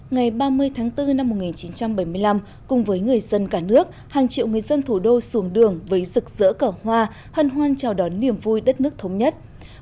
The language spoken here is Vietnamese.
ngày ba mươi tháng bốn năm một nghìn chín trăm bảy mươi năm cùng với người dân cả nước hàng triệu người dân thủ đô xuồng đường với rực rỡ cỏ hoa hân hoan chào đón niềm vui đất nước thống nhất